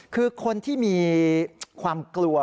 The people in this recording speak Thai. คือคนที่มีความกลัว